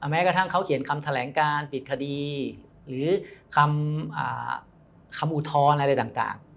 แม้กระทั่งเขาเขียนคำแถลงการปิดคดีหรือคำอุทธรณ์อะไรต่าง